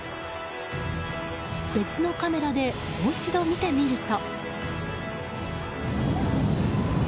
別のカメラでもう一度見てみると。